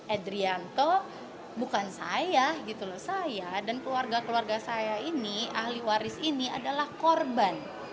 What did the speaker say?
edrianto bukan saya gitu loh saya dan keluarga keluarga saya ini ahli waris ini adalah korban